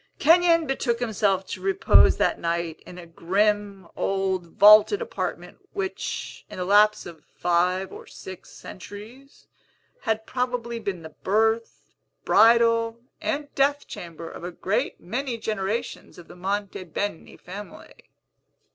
Kenyon betook himself to repose that night in a grim, old, vaulted apartment, which, in the lapse of five or six centuries, had probably been the birth, bridal, and death chamber of a great many generations of the Monte Beni family.